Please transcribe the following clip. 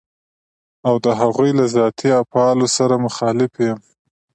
او د هغوی له ذاتي افعالو سره مخالف يم.